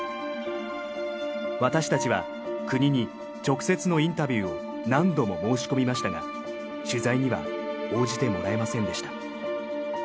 私たちは国に直接のインタビューを何度も申し込みましたが取材には応じてもらえませんでした。